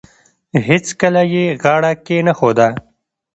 هیڅکله یې غاړه کښېنښوده.